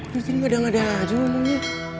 tidak ada ada aja umurnya